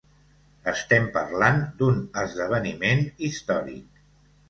Estem parlant d’un esdeveniment històric.